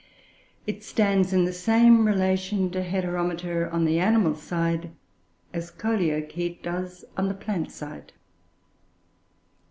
It stands in the same relation to Heteromita on the animal side, as Coleochaete does on the plant side.